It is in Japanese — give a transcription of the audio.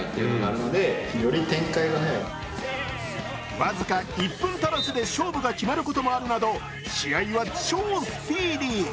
僅か１分足らずで勝負が決まることもあるなど試合は超スピーディー。